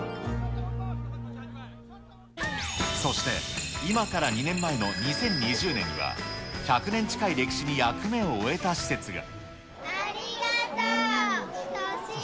そして、今から２年前の２０２０年には、１００年近い歴史に役目を終えた施設が。